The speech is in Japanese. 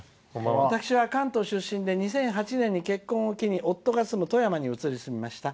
私は関東出身で２００８年に結婚を機に夫が住む富山に移り住みました。